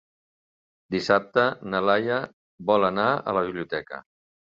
Dissabte na Laia vol anar a la biblioteca.